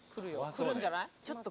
来るんじゃない？